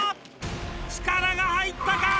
力が入ったか？